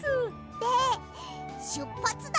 で「しゅっぱつだ！